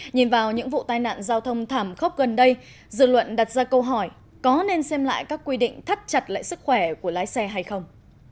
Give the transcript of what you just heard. nhìn vào những vụ tai nạn giao thông thảm khốc gần đây dư luận đặt ra câu hỏi có nên xem lại các quy định thắt chặt lại sức khỏe của lái xe hay không